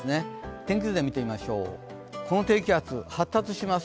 天気図で見てみましょう、この低気圧、発達します。